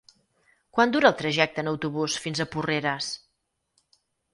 Quant dura el trajecte en autobús fins a Porreres?